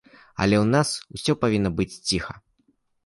Але ў нас усё павінна быць ціха.